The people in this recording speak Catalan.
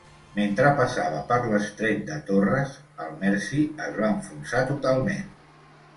Mentre passava per l'estret de Torres, el "Mersey" es va enfonsar totalment.